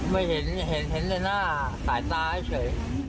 ไม่เห็นเห็นแต่หน้าสายตาให้เฉย